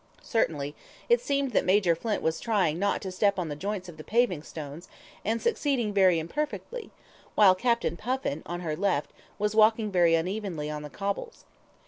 Certainly it seemed that Major Flint was trying not to step on the joints of the paving stones, and succeeding very imperfectly, while Captain Puffin, on her left, was walking very unevenly on the cobbles.